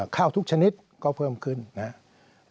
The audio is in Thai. ทุกชนิดก็เพิ่มขึ้นนะครับ